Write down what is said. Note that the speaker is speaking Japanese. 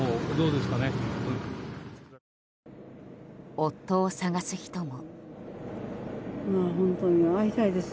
夫を捜す人も。